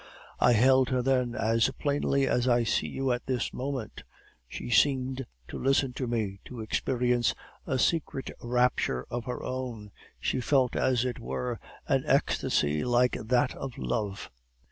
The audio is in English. I beheld her then, as plainly as I see you at this moment. She seemed to listen to herself, to experience a secret rapture of her own; she felt, as it were, an ecstasy like that of love.